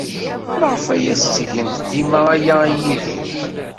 Maɣef ay as-ttgent dima aya i Yidir?